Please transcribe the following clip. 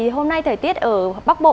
hôm nay thời tiết ở bắc bộ